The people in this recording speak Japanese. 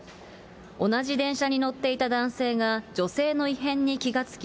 同じ電車に乗っていた男性が女性の異変に気がつき、